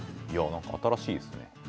新しいですね。